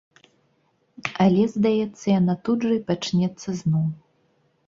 Але, здаецца, яна тут жа і пачнецца зноў.